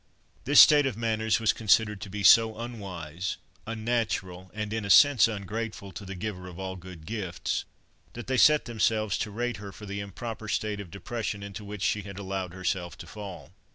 This state of matters was considered to be so unwise, unnatural, and in a sense ungrateful, to the Giver of all good gifts, that they set themselves to rate her for the improper state of depression into which she had allowed herself to fall.